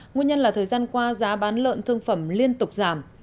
nguyên nhân là thời gian qua giá bán lợn thương phẩm liên tục giảm